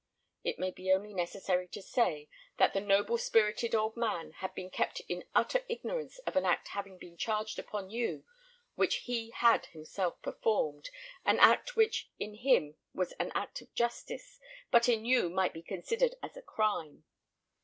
It may be only necessary to say, that the noble spirited old man had been kept in utter ignorance of an act having been charged upon you which he had himself performed an act which in him was an act of justice, but in you might be considered as a crime.